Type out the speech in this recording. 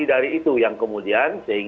mr masalah ohisaka melihat ministry renen